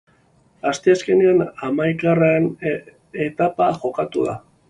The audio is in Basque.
Asteazkenean hamaikagarren etapa jokatuko da.